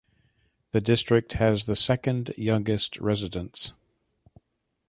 The district has the second youngest residents.